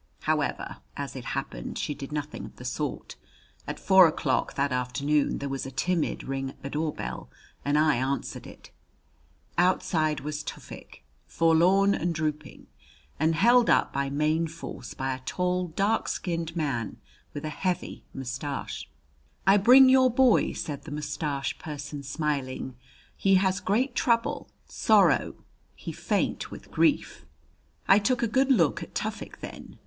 However, as it happened, she did nothing of the sort. At four o'clock that afternoon there was a timid ring at the doorbell and I answered it. Outside was Tufik, forlorn and drooping, and held up by main force by a tall, dark skinned man with a heavy mustache. "I bring your boy!" said the mustached person, smiling. "He has great trouble sorrow; he faint with grief." I took a good look at Tufik then.